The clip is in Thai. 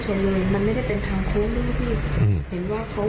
แต่มันไม่ได้เป็นทางโค้ง